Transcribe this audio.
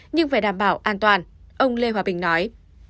nhưng phải đảm bảo an toàn ông lê hòa bình nói